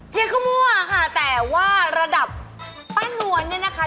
ที่เขามั่วค่ะแต่ว่าระดับป้านวลเนี่ยนะคะ